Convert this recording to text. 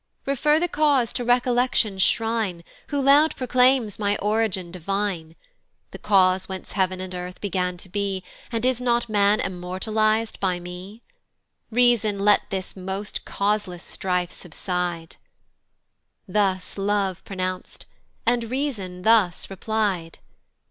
"Refer the cause to Recollection's shrine, "Who loud proclaims my origin divine, "The cause whence heav'n and earth began to be, "And is not man immortaliz'd by me? "Reason let this most causeless strife subside." Thus Love pronounc'd, and Reason thus reply'd.